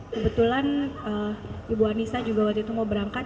kebetulan ibu anissa juga waktu itu mau berangkat